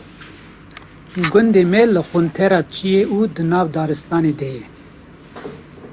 Gundê me li quntara çiyê û di nav daristanê de ye.